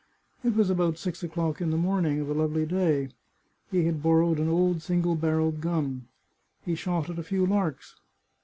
It was about six o'clock in the morning of a lovely day. He had borrowed an old single barrelled gun. He shot at a few larks.